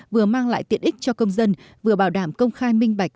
vừa mang lại tiện ích cho công dân vừa bảo đảm công khai minh bạch